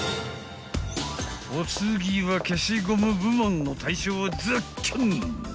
［お次は消しゴム部門の大賞をズッキュン！］